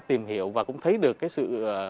tìm hiểu và cũng thấy được sự